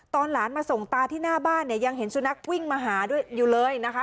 ตอนหลานมาส่งตาที่หน้าบ้านเนี่ยยังเห็นสุนัขวิ่งมาหาด้วยอยู่เลยนะคะ